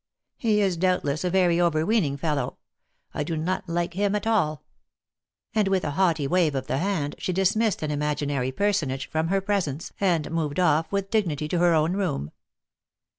He is, doubtless, a very over weening fellow I do not like him at all !" And, with a haughty wave of the hand, she dismissed an imaginary personage from her presence, and moved off with dignity to her own room.